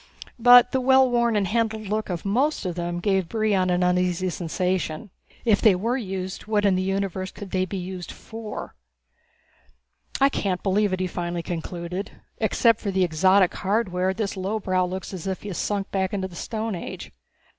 But the well worn and handled look of most of them gave Brion an uneasy sensation. If they were used what in the universe could they be used for? "I can't believe it," he finally concluded. "Except for the exotic hardware, this lowbrow looks as if he has sunk back into the Stone Age.